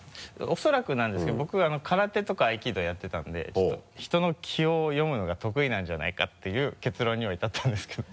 恐らくなんですけど僕空手とか合気道やってたんでちょっと人の気を読むのが得意なんじゃないかっていう結論には至ったんですけど。